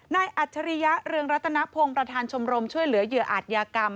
อัจฉริยะเรืองรัตนพงศ์ประธานชมรมช่วยเหลือเหยื่ออาจยากรรม